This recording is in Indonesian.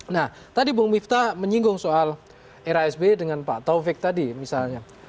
nah tadi bung miftah menyinggung soal era sby dengan pak taufik tadi misalnya